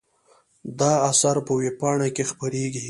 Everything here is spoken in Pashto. دا اثر په وېبپاڼه کې خپریږي.